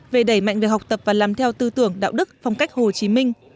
về đẩy mạnh việc học tập và làm theo tư tưởng đạo đức phong cách hồ chí minh